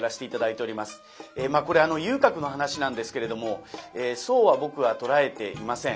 これ遊郭の噺なんですけれどもそうは僕は捉えていません。